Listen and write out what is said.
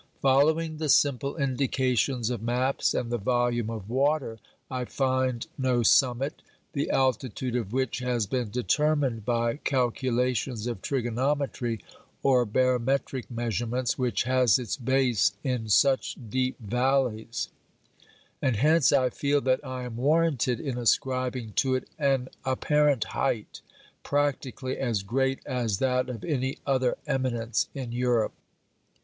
Following the simple indications of maps and the volume of water, I find no summit, the altitude of which has been determined by calculations of trigonometry, or barometric measurements, which has its base in such deep valleys ; and hence I feel that I am warranted in ascribing to it an apparent height, practically as great as that of any other eminence in Europe.